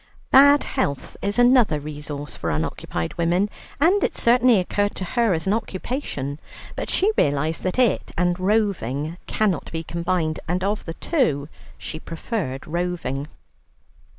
Bad health is another resource for unoccupied women, and it certainly occurred to her as an occupation, but she realized that it and roving cannot be combined, and of the two she preferred roving.